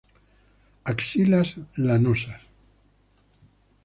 Axilas lanosas.